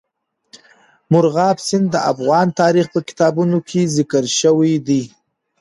مورغاب سیند د افغان تاریخ په کتابونو کې ذکر شوی دی.